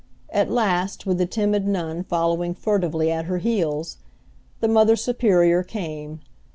At last, with the timid nun following furtively at her heels, the Mother Superior came.